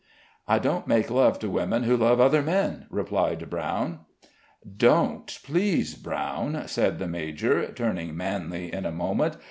'" "I don't make love to women who love other men," replied Brown. "Don't, please, Brown," said the major, turning manly in a moment.